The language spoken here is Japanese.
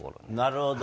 なるほど。